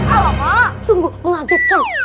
alamak sungguh mengagetku